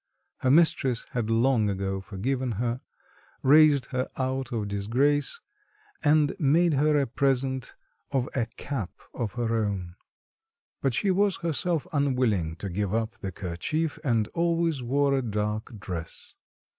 Her mistress had long ago forgiven her, raised her out of disgrace, and made her a present of a cap of her own. But she was herself unwilling to give up the kerchief and always wore a dark dress.